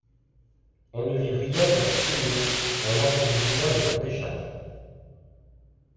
On ne vit rien de leurs signaux, on n’entendit rien de leurs décharges.